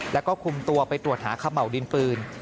แล้วก็คุมตัวไปตรวจหาขม่าวดินปืน